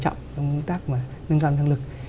trong công tác nâng cao năng lực